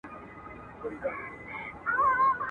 شرمنده ټول وزيران او جنرالان وه.